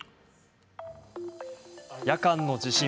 夜間の地震。